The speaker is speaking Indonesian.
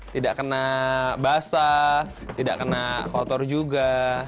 tidak kena basah tidak kena kotor juga